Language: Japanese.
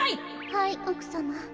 はいおくさま。